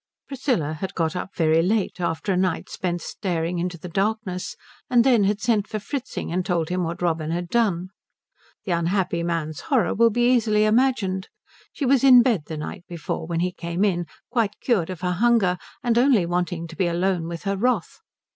Priscilla had got up very late, after a night spent staring into the darkness, and then had sent for Fritzing and told him what Robin had done. The unhappy man's horror will be easily imagined. She was in bed the night before when he came in, quite cured of her hunger and only wanting to be alone with her wrath.